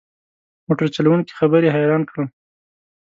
موټر چلوونکي خبرې حیران کړم.